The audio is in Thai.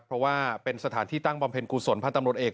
เพราะว่าเป็นสถานที่ตั้งบอมเพลินกูศลพันธรรมรถเอก